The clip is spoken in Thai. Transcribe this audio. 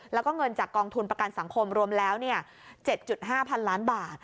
แล้วก็เงินจากกองทุนประกันสังคมรวมแล้ว๗๕๐๐๐ล้านบาท